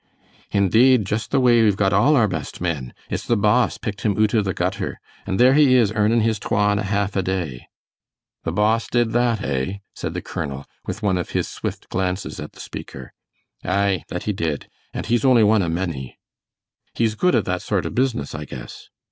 "Indeed, just the way we've got all our best men. It's the boss picked him oot o' the gutter, and there he is earnin' his twa and a half a day." "The boss did that, eh?" said the colonel, with one of his swift glances at the speaker. "Aye, that he did, and he's only one o' many." "He's good at that sort of business, I guess."